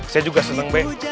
saya juga seneng be